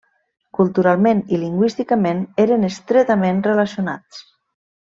Culturalment i lingüísticament eren estretament relacionats.